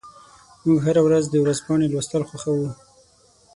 موږ هره ورځ د ورځپاڼې لوستل خوښوو.